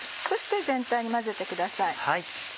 そして全体に混ぜてください。